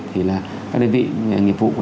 thì là các đơn vị nghiệp vụ